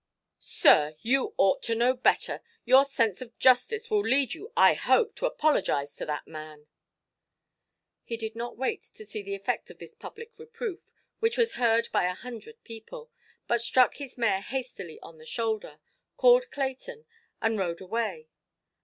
"Sir, you ought to know better. Your sense of justice will lead you, I hope, to apologise to that man". He did not wait to see the effect of this public reproof, which was heard by a hundred people, but struck his mare hastily on the shoulder, called Clayton, and rode away.